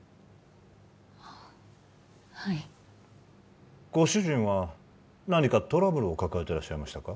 あっはいご主人は何かトラブルを抱えてらっしゃいましたか？